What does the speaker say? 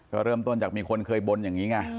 ก็เริ่มต้นจากมีคนเคยบนอย่างนี้ไง